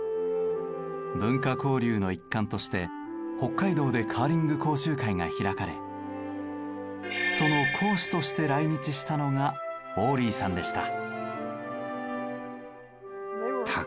文化交流の一環として北海道でカーリング講習会が開かれその講師として来日したのがウォーリーさんでした。